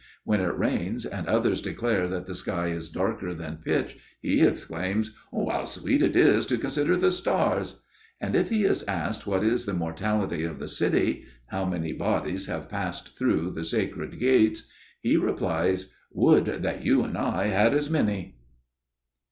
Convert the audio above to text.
When it rains and others declare that the sky is darker than pitch, he exclaims: "How sweet it is to consider the stars!" And if he is asked, what is the mortality of the city,—how many bodies have passed through the Sacred Gates,—he replies: "Would that you and I had as many."